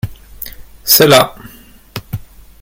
C’est là.